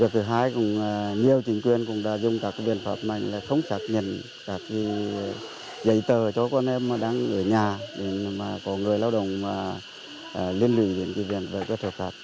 thứ hai là nhiều chính quyền đã dùng các biện pháp này để không chắc nhận các dây tờ cho con em đang ở nhà để có người lao động liên luyện với các cấp chính quyền